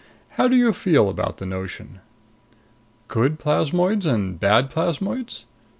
"How do you feel about the notion?" "Good plasmoids and bad plasmoids?"